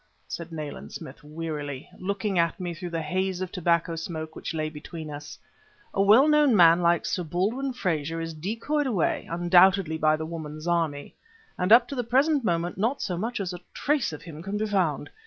said Nayland Smith wearily, looking at me through the haze of tobacco smoke which lay between us. "A well known man like Sir Baldwin Frazer is decoyed away undoubtedly by the woman Zarmi; and up to the present moment not so much as a trace of him can be found.